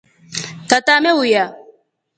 Tata ameuya.